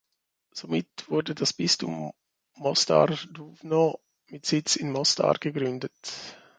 Somit wurde das Bistum Mostar-Duvno mit Sitz in Mostar gegründet.